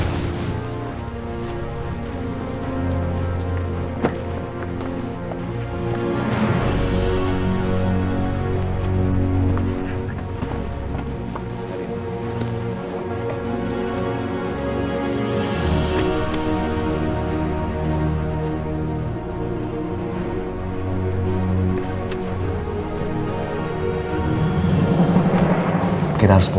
terima kasih pak